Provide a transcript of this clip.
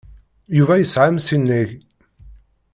Yuba yesɛa amsineg.